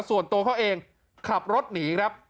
ส่วนตัวเขาเองขับรถหนีครับ